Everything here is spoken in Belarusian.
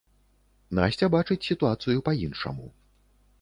Насця бачыць сітуацыю па-іншаму.